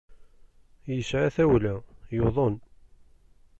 Yesɛa tawla, yuḍen.